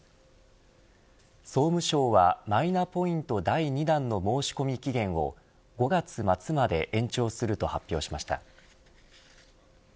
総務省は、マイナポイント第２弾の申し込み期限を５月末まで延長すると発表しました。